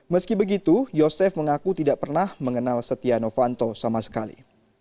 meski begitu yosef mengaku tidak pernah mengenal setia novanto sama sekali